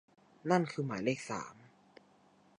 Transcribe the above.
นั่นคือหมายเลขสาม